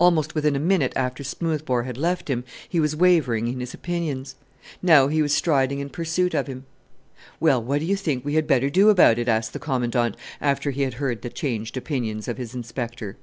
Almost within a minute after Smoothbore had left him he was wavering in his opinions; now he was striding in pursuit of him. "Well what do you think we had better do about it," asked the Commandant, after he had heard the changed opinions of his Inspector.